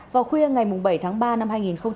vào khuya ngày bảy tháng ba năm hai nghìn một mươi chín